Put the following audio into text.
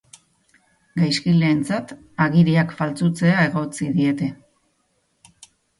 Gaizkileentzat agiriak faltsutzea egotzi diete.